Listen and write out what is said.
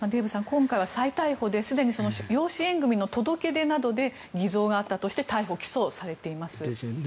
今回は再逮捕ですでに養子縁組の届け出などで偽造があったとして逮捕・起訴されています。